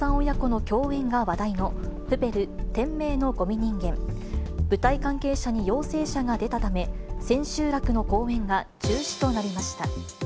親子の共演が話題のプペル天明の護美人間舞台関係者に陽性者が出たため、千秋楽の公演が中止となりました。